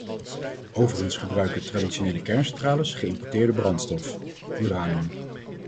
Overigens gebruiken traditionele kerncentrales geïmporteerde brandstof (uranium).